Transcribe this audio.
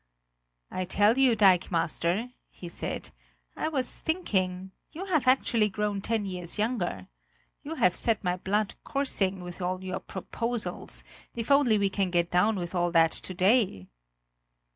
"I tell you, dikemaster," he said, "I was thinking you have actually grown ten years younger. You have set my blood coursing with all your proposals; if only we can get down with all that to day!"